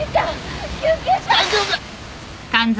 大丈夫や！